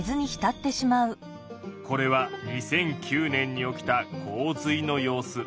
これは２００９年に起きた洪水の様子。